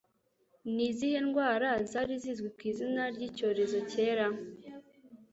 Ni izihe ndwara zari zizwi ku izina ryi “cyorezo Cyera”?